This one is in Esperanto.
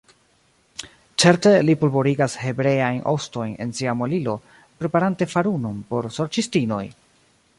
Certe, li pulvorigas hebreajn ostojn en sia muelilo, preparante farunon por sorĉistinoj!